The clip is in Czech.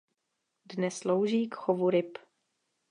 Dnes slouží k chovu ryb.